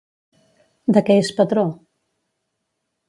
De què és patró?